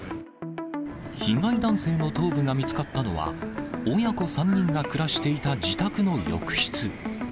被害男性の頭部が見つかったのは、親子３人が暮らしていた自宅の浴室。